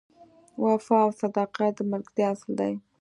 وفا او صداقت د ملګرتیا اصل دی.